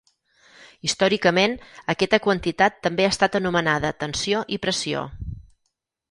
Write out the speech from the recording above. Històricament, aquesta quantitat també ha estat anomenada "tensió" i "pressió".